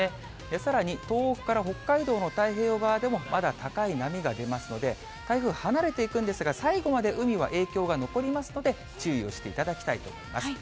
さらに東北から北海道の太平洋側でも、まだ高い波が出ますので、台風離れていくんですが、最後まで海は影響が残りますので、注意をしていただきたいと思います。